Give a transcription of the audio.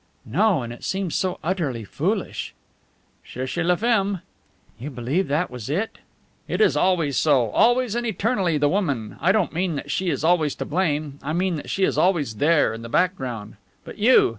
"No. And it seems so utterly foolish!" "Cherchez la femme!" "You believe that was it?" "It is always so, always and eternally the woman. I don't mean that she is always to blame; I mean that she is always there in the background. But you!